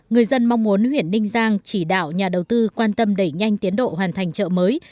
người dân mong muốn huyện ninh giang chỉ đạo nhà đầu tư quan tâm đẩy nhanh tiến độ hoàn thành chợ mới